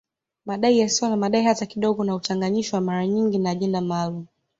Madai yasiyo na madai hata kidogo na huchanganyishwa mara nyingi na ajenda maalum